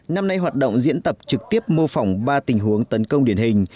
năm nay hoạt động diễn tập trực tiếp mô phỏng ba tình huống tấn công điển hình